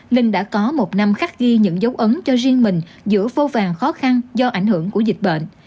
linh đã có một năm khắc ghi những dấu ấn cho riêng mình giữa vô vàn khó khăn do ảnh hưởng của dịch bệnh